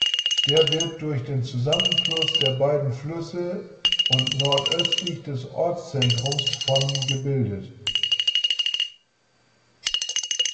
Der wird durch den Zusammenfluss der beiden Flüsse und nordöstlich des Ortszentrums von gebildet.